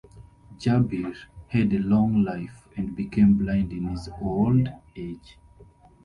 Jabir had a long life and became blind in his old age.